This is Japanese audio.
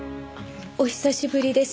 お久しぶりです。